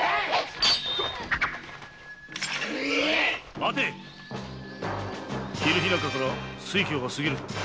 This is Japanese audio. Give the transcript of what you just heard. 待て昼日中から酔狂が過ぎるぞ。